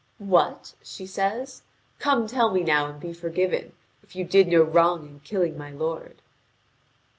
"What?" says she, "come tell me now and be forgiven, if you did no wrong in killing my lord?"